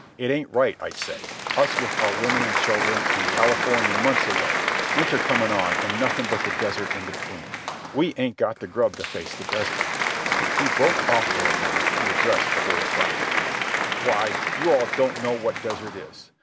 It ain't right, I say, us with our women an' children, an' California months away, winter comin' on, an' nothin' but desert in between. We ain't got the grub to face the desert." He broke off for a moment to address the whole crowd. "Why, you all don't know what desert is.